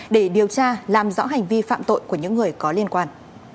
để điều tra làm rõ hành vi phạm tội của những người có liên quan